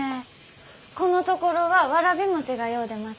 このところはわらび餅がよう出ます。